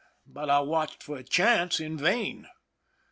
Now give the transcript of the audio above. But I watched for a chance in vain.